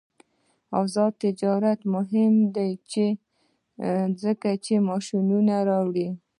آزاد تجارت مهم دی ځکه چې ماشینونه راوړي.